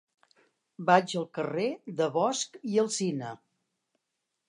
Vaig al carrer de Bosch i Alsina.